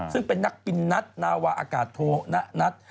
ซึ่งเป็นนักกินนัทนาวาอากาศโทณนัท